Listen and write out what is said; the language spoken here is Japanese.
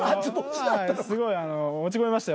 すごい落ち込みましたよ。